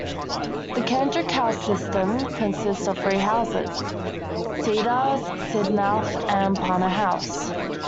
The Kendrick House system consists of three houses; Cedars, Sidmouth and Palmer House.